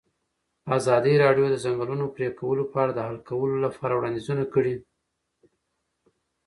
ازادي راډیو د د ځنګلونو پرېکول په اړه د حل کولو لپاره وړاندیزونه کړي.